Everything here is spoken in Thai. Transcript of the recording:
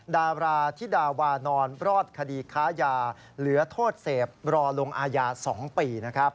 ดาราธิดาวานอนรอดคดีค้ายาเหลือโทษเสพรอลงอาญา๒ปี